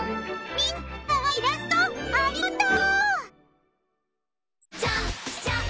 みんなかわいいイラストありがとう！